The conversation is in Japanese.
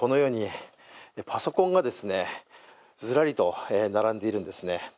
パソコンがずらりと並んでいるんですね。